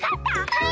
はい！